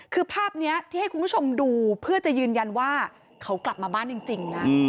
คือภาพนี้ที่ให้คุณผู้ชมดูเพื่อจะยืนยันว่าเขากลับมาบ้านจริงนะ